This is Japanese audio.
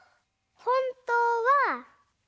ほんとうは。